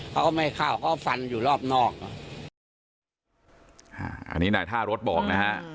เขาก็ไม่เข้าเขาก็ฟันอยู่รอบนอกอ่าอันนี้นายท่ารถบอกนะฮะ